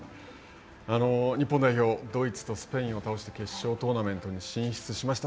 日本代表はドイツとスペインを倒して決勝トーナメントに進出しました。